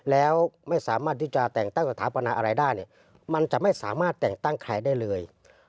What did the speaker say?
แล้วไม่สามารถที่จะแต่งตั้งสถาปนาอะไรได้เนี่ยมันจะไม่สามารถแต่งตั้งใครได้เลย